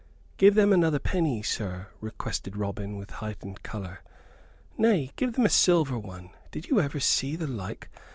"Give them another penny, sir," requested Robin, with heightened color. "Nay, give them a silver one. Did you ever see the like?